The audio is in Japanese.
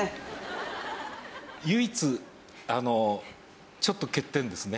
唯一ちょっと欠点ですね。